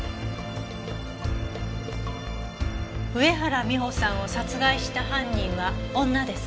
上原美帆さんを殺害した犯人は女ですか。